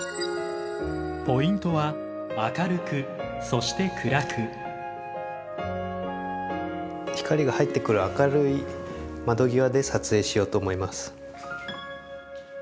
ポイントは光が入ってくる明るい窓際で撮影しようと思います。